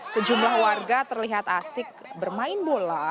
sejumlah warga terlihat asik bermain bola